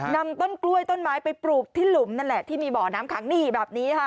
นำต้นกล้วยต้นไม้ไปปลูกที่หลุมนั่นแหละที่มีบ่อน้ำขังนี่แบบนี้ค่ะ